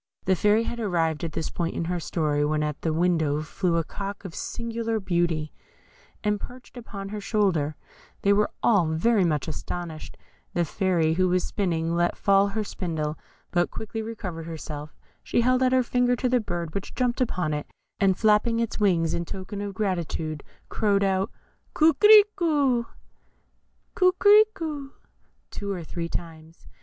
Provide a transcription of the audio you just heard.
The Fairy had arrived at this point in her story, when in at the window flew a cock of singular beauty, and perched upon her shoulder; they were all very much astonished; the Fairy, who was spinning, let fall her spindle, but quickly recovering herself, she held out her finger to the bird, which jumped upon it, and flapping its wings in token of gratitude, crowed out "Coquerico" two or three times.